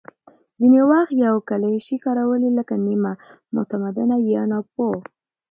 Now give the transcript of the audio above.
ځینې وخت یې کلیشې کارولې، لکه «نیمه متمدنه» یا «ناپوه».